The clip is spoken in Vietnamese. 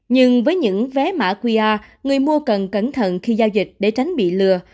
nhưng với những vé mã qr người mua cần cẩn thận khi giao dịch để tránh bị lừa